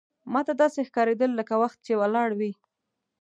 ماته داسې ښکارېدل لکه وخت چې ولاړ وي.